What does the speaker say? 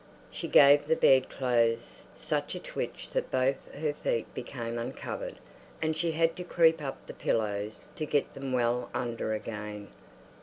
She gave the bedclothes such a twitch that both her feet became uncovered, and she had to creep up the pillows to get them well under again.